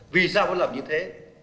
vì sao phải làm như thế